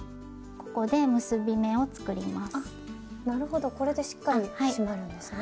これでしっかり締まるんですね。